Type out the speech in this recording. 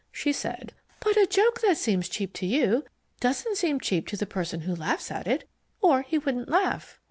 She said: "But a joke that seems cheap to you doesn't seem cheap to the person who laughs at it, or he wouldn't laugh."